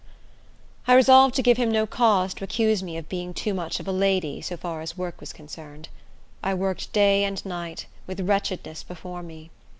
I resolved to give him no cause to accuse me of being too much of a lady, so far as work was concerned. I worked day and night, with wretchedness before me.